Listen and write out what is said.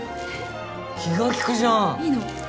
気が利くじゃんいいの？